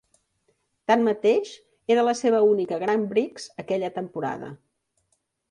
Tanmateix, era la seva única Grand Prix aquella temporada.